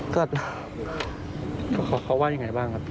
เขาว่าอย่างไรบ้างครับ